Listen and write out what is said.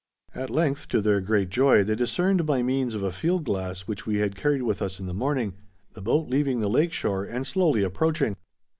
At length, to their great joy, they discerned by means of a field glass which we had carried with us in the morning, the boat leaving the lake shore and slowly approaching.